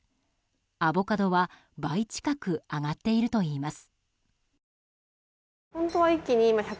アボカドは倍近く上がっているといいます。